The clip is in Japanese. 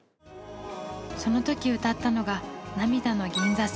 その時歌ったのが「涙の銀座線」。